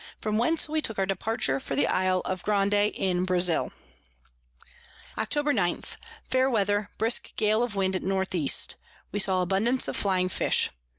from whence we took our Departure for the Isle of Grande in Brazile. Octob. 9. Fair Weather, brisk Gale of Wind at N E. We saw abundance of flying Fish.